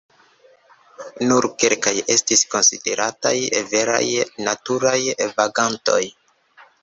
Nur kelkaj estis konsiderataj veraj naturaj vagantoj.